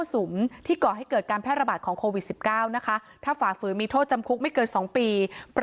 สิ่งที่สิ่งที่สุดของคนที่อยากพูดจากการภาพ